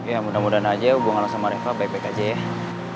ya mudah mudahan aja hubungan langsung sama reva baik baik aja ya